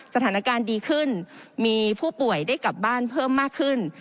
สถานการณ์ดีขึ้นมีผู้ป่วยได้กลับบ้านเพิ่มมากขึ้น